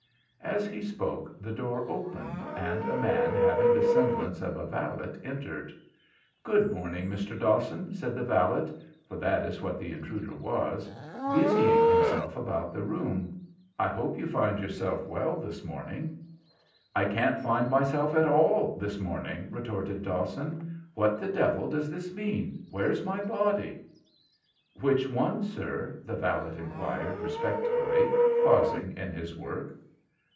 As he spoke the door opened, and a man having the semblance of a valet entered. [Illustration: "'GOOD MORNING, MR. DAWSON'"] "Good morning, Mr. Dawson," said the valet for that is what the intruder was busying himself about the room. "I hope you find yourself well this morning?" "I can't find myself at all this morning!" retorted Dawson. "What the devil does this mean? Where's my body?" "Which one, sir?" the valet inquired, respectfully, pausing in his work.